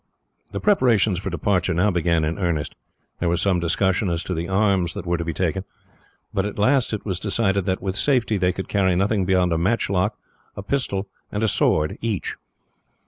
The preparations for departure now began in earnest. There was some discussion as to the arms that were to be taken, but at last it was decided that, with safety, they could carry nothing beyond a matchlock, a pistol, and a sword each.